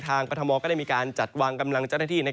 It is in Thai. กรทมก็ได้มีการจัดวางกำลังเจ้าหน้าที่